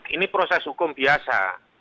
ini proses hukum biasa